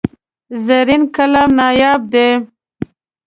زرین قلم نایاب دی.